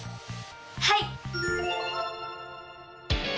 はい！